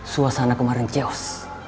suasana kemarin ceos